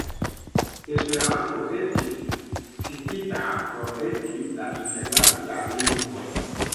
Esperanto estis citita por esti la internacia lingvo.